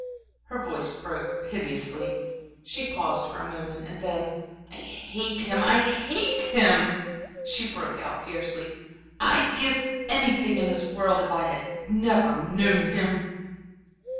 Her voice broke piteously, she paused for a moment, and then: "I hate him, I hate him!" she broke out, fiercely. "I'd give anything in this world if I'd never known him."